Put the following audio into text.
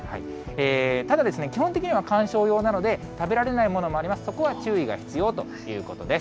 ただ、基本的には観賞用なので、食べられないものもあります、そこは注意が必要ということです。